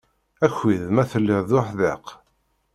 Aki-d ma telliḍ d uḥdiq